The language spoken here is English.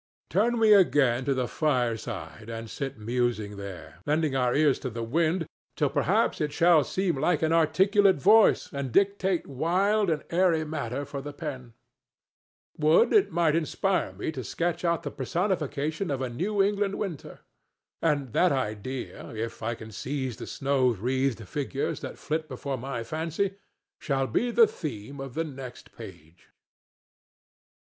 Turn we again to the fireside and sit musing there, lending our ears to the wind till perhaps it shall seem like an articulate voice and dictate wild and airy matter for the pen. Would it might inspire me to sketch out the personification of a New England winter! And that idea, if I can seize the snow wreathed figures that flit before my fancy, shall be the theme of the next page.